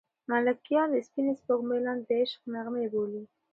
ملکیار د سپینې سپوږمۍ لاندې د عشق نغمې بولي.